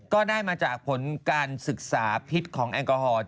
ก็ได้มาจากผลการศึกษาพิษของแอลกอฮอล์